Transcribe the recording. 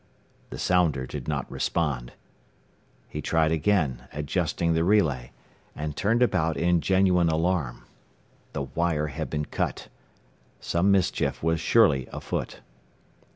The sounder did not respond. He tried again, adjusting the relay, and turned about in genuine alarm. The wire had been cut! Some mischief was surely afoot.